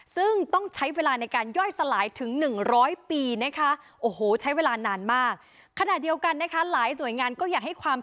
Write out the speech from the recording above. ซึ่งต้องใช้เวลาในการย่อยสลายถึง๑๐๐ปีนะคะ